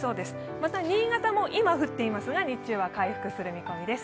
また新潟も今降っていますが、日中は回復する見込みです。